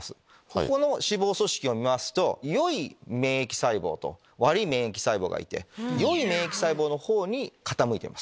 ここの脂肪組織を見ますとよい免疫細胞と悪い免疫細胞がいてよい免疫細胞の方に傾いてます。